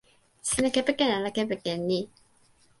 sina kepeken ala kepeken ni?